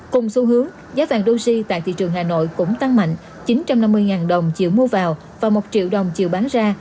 cùng xu hướng giá vàng doji tại thị trường hà nội cũng tăng mạnh chín trăm năm mươi đồng chiều mua vào và một triệu đồng chiều bán ra